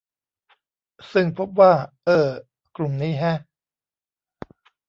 ซึ่งพบว่า เอ้อ กลุ่มนี้แฮะ